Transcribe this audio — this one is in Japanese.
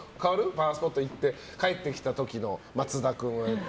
パワースポット行って帰ってきた時の松田君は。